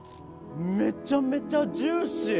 めちゃめちゃジューシー！